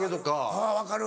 あぁ分かる。